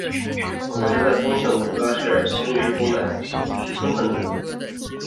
此时的中性粒子主要是星云中的氢分子。